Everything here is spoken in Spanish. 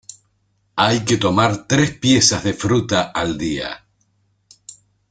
Hay que tomar tres piezas de fruta al día.